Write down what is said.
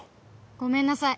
ごめんなさい。